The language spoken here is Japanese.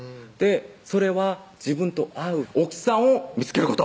それは自分と合う奥さんを見つけること